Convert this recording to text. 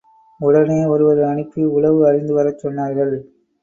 உடனே ஒருவரை அனுப்பி, உளவு அறிந்து வரச் சொன்னார்கள்.